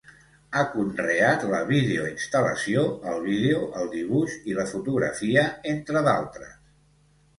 Ha conreat la videoinstal·lació, el vídeo, el dibuix i la fotografia, entre d'altres.